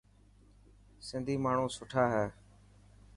سنڌي ماڻهو سٺا هي.